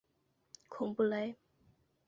孔布雷。